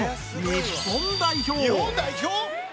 「日本代表！？」